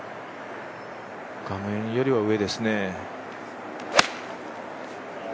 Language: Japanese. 画面よりは上ですね。